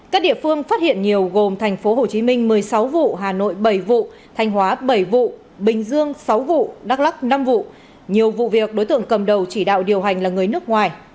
các địa phương phát hiện nhiều gồm thành phố hồ chí minh một mươi sáu vụ hà nội bảy vụ thanh hóa bảy vụ bình dương sáu vụ đắk lắc năm vụ nhiều vụ việc đối tượng cầm đầu chỉ đạo điều hành là người nước ngoài